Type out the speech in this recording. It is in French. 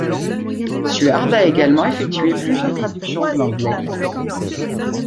Suard a également effectué plusieurs traductions de l'anglais.